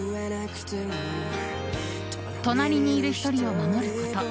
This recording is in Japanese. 隣にいる１人を守ること